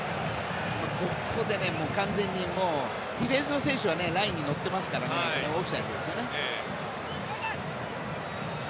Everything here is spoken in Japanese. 完全にディフェンスの選手はラインに乗ってますからオフサイドですね。